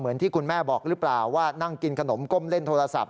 ที่คุณแม่บอกหรือเปล่าว่านั่งกินขนมก้มเล่นโทรศัพท์